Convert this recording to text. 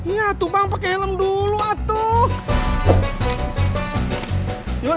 iya tuh bang pake helm dulu atuh